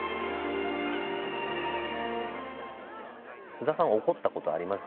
菅田さん怒ったことあります？